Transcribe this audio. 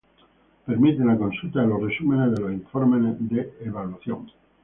Permite la consulta de los resúmenes de los informes de evaluación.